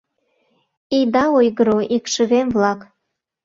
— Ида ойгыро, икшывем-влак.